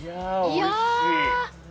いや！